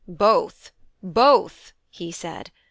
"Both, both," he said.